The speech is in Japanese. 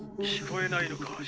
聞こえないのか？